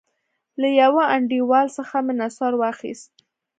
له يوه انډيوال څخه مې نسوار واخيست.